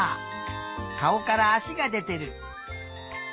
かおからあしがでてる。